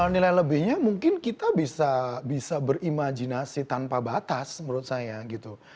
nilai lebihnya mungkin kita bisa berimajinasi tanpa batas menurut saya gitu